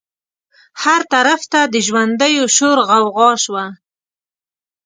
هر طرف ته د ژوندیو شور غوغا شوه.